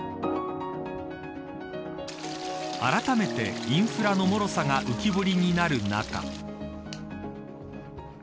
あらためてインフラの脆さが浮き彫りになる中。